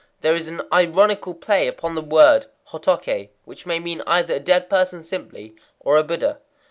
There is an ironical play upon the word hotoké, which may mean either a dead person simply, or a Buddha.